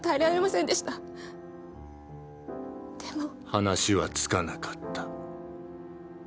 話はつかなかった。